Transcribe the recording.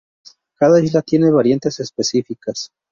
Cada isla tiene variantes específicas.